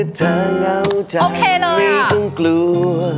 พอเธอเหงาใจไม่ต้องกลัว